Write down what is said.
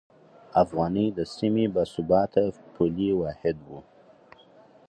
افغانۍ د سیمې باثباته پولي واحد و.